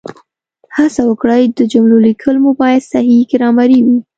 هڅه وکړئ د جملو لیکل مو باید صحیح ګرامري وي